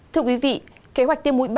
thưa quý vị kế hoạch tiêm mũi ba